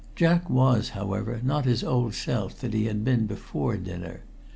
Jack was, however, not his old self that he had been before dinner.